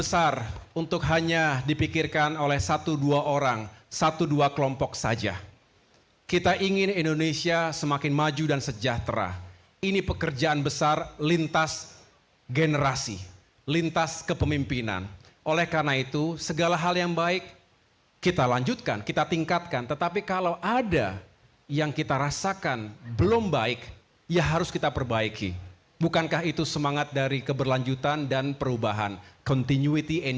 saya juga menyampaikan bahwa semoga kedatangan mas anies ini juga semakin mendekatkan beliau